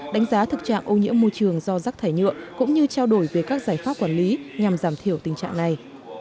đánh giá thực trạng ô nhiễm môi trường do rác thải nhựa cũng như trao đổi về các giải pháp quản lý nhằm giảm thiểu tình trạng này